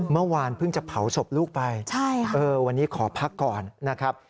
เมื่อวานเพิ่งจะเผาศพลูกไปวันนี้ขอพักก่อนนะครับ